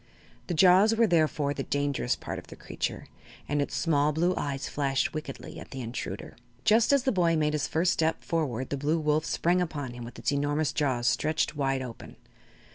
The jaws were therefore the dangerous part of the creature, and its small blue eyes flashed wickedly at the intruder. Just as the boy made his first step forward the Blue Wolf sprang upon him with its enormous jaws stretched wide open.